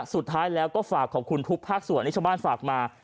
สุดท้ายแล้วก็ฝากขอบคุณทุกภาคส่วนที่ชาวบ้านฝากมา